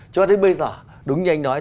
cho đến bây giờ đúng như anh nói